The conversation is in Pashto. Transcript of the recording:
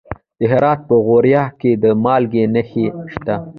د هرات په غوریان کې د مالګې نښې شته.